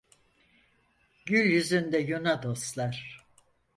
Gül yüzünde yuna dostlar.